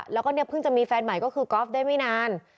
แล้วก็เนี่ยเพิ่งจะมีแฟนใหม่ก็คือกอล์ฟได้ไม่นาน